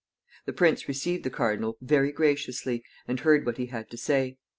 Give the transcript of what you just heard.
The prince received the cardinal very graciously, and heard what he had to say.